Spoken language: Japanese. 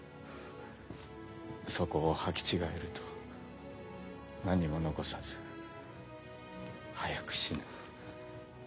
そこをはき違えると何も残さず早く死ぬ。